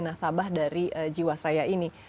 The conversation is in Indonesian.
nasabah dari jiwasraya ini